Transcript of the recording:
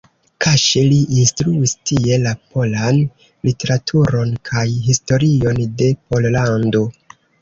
Kaŝe li instruis tie la polan literaturon kaj historion de Pollando.